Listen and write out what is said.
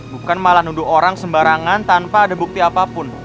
bukan malah nunduk orang sembarangan tanpa ada bukti apapun